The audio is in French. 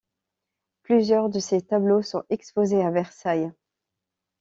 Plusieurs de ces tableaux sont exposés à Versailles.